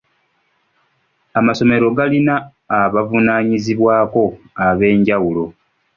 Amasomero galina abavunaanyizibwako ab'enjawulo.